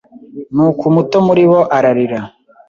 Ni uko umuto muri bo ararira